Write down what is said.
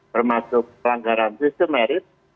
termasuk pelanggaran sistem merit